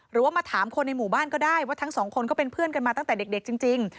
หรือว่ามาถามคนในหมู่บ้านก็ได้ว่าทั้งสองคนก็เป็นเพื่อนกันมาตั้งแต่เด็กจริง